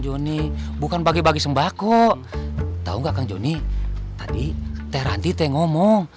joni bukan bagi bagi sembako tahu gak kang joni tadi teranti tengok ngomong